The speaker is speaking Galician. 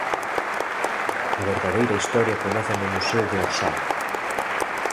A verdadeira historia comeza no museo de Orsay.